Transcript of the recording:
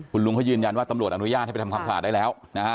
คุณลุงเขายืนยันว่าตำรวจอนุญาตให้ไปทำความสะอาดได้แล้วนะฮะ